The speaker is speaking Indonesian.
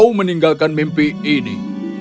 kau sudah meninggalkan mimpi ini